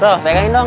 firoh pegangin dong